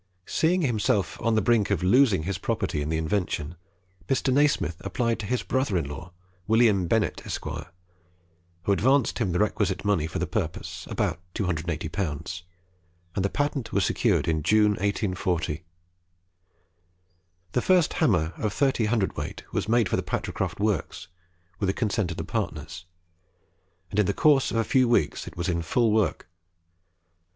Seeing himself on the brink of losing his property in the invention, Mr. Nasmyth applied to his brother in law, William Bennett, Esq., who advanced him the requisite money for the purpose about 280L., and the patent was secured in June 1840. The first hammer, of 30 cwt., was made for the Patricroft works, with the consent of the partners; and in the course of a few weeks it was in full work.